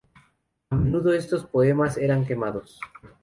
A menudo estos poemas eran quemados.